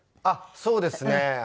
あっそうですね。